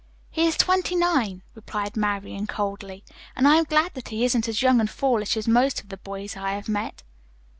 "He is twenty nine," replied Marian coldly. "And I am glad that he isn't as young and foolish as most of the boys I have met."